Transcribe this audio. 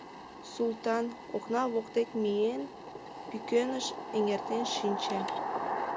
Султан, окна воктек миен, пӱкеныш эҥертен шинче.